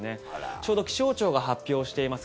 ちょうど気象庁が発表しています